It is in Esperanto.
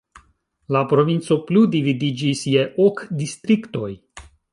La provinco plu dividiĝis je ok distriktoj.